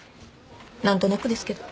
何となくですけど。